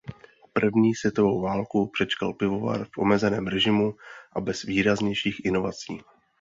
První světovou válku přečkal pivovar v omezeném režimu a bez výraznějších inovací.